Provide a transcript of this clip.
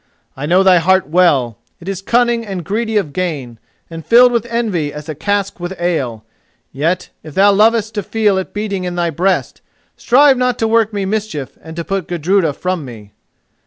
I know thy heart well: it is cunning and greedy of gain, and filled with envy as a cask with ale; yet, if thou lovest to feel it beating in thy breast, strive not to work me mischief and to put Gudruda from me."